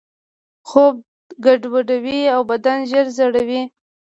خوب ګډوډوي او بدن ژر زړوي.